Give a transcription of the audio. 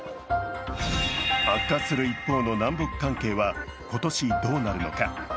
悪化する一方の南北関係は今年、どうなるのか。